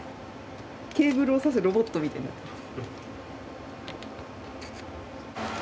ケーブルを挿すロボットみたいに。